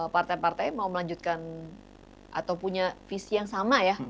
partai partai mau melanjutkan atau punya visi yang sama ya